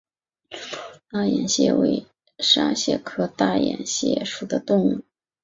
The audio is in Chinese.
绒毛大眼蟹为沙蟹科大眼蟹属的动物。